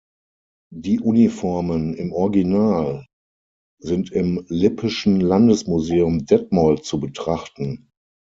Die Uniformen im Original sind im Lippischen Landesmuseum Detmold zu betrachten.